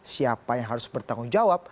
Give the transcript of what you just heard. siapa yang harus bertanggung jawab